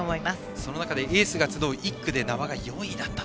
その中でエースが集う１区で名和が４位。